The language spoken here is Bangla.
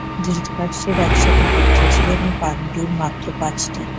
ধৃতরাষ্ট্রের এক শত পুত্র ছিল এবং পাণ্ডুর মাত্র পাঁচটি।